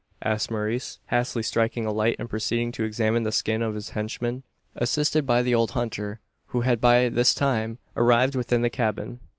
asked Maurice, hastily striking a light, and proceeding to examine the skin of his henchman, assisted by the old hunter who had by this time arrived within the cabin.